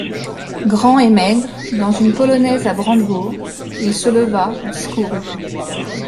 Grand et maigre, dans une polonaise à brandebourgs, il se leva, discourut.